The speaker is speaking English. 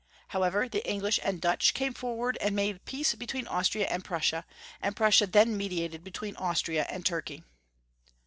However, the English and Dutch came forward, and made peace between Austria and Prussia, and Prussia then mediated between Austria and Turkey.